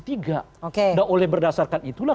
nah oleh berdasarkan itulah